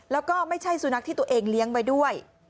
แล้วก็ไม่ใช่สุนัขที่ตัวเองเลี้ยงไว้ด้วย